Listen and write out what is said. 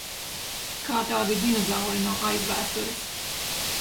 Kā tādi dinozauri no aizvēstures.